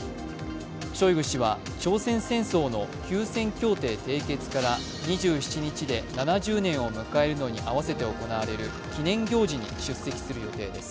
ショイグ氏は朝鮮戦争の休戦協定締結から２７日で７０年を迎えるのに合わせて行われる記念行事に出席する予定です。